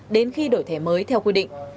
đến khi đổi thẻ mới theo quy định